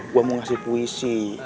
gue mau ngasih puisi